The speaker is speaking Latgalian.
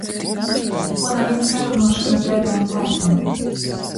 Kuo naviņ sarunuošona breivajam laikam.